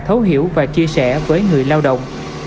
thấu hiểu và chia sẻ với người lao động